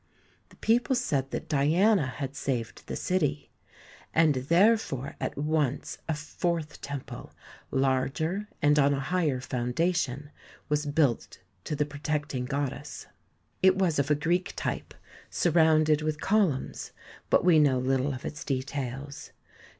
The people said that Diana had saved the city, and therefore at once a fourth temple, larger and on a higher foundation, was built to the protecting goddess. It was of a Greek type, surrounded with columns, but we know little of its details.